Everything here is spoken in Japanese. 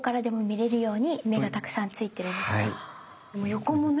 横もね。